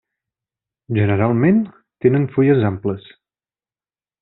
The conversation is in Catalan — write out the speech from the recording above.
Generalment tenen fulles amples.